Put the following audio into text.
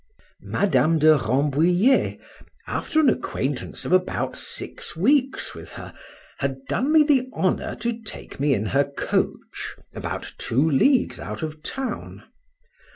Madame do Rambouliet, after an acquaintance of about six weeks with her, had done me the honour to take me in her coach about two leagues out of town.